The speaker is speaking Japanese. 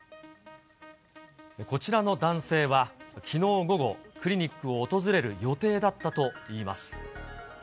こちらの男性は、きのう午後、クリニックを訪れる予定だったといいます。